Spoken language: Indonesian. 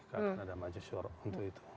karena ada maju shuro untuk itu